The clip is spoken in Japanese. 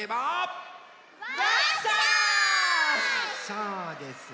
そうです。